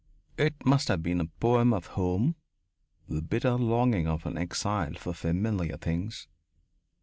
It must have been a poem of home, the bitter longing of an exile for familiar things.